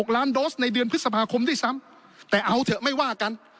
ล้านโดสในเดือนพฤษภาคมด้วยซ้ำแต่เอาเถอะไม่ว่ากัน